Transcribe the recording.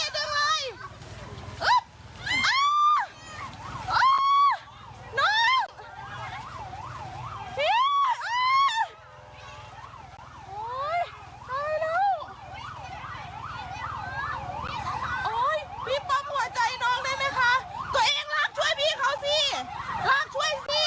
อ้อตายแล้ว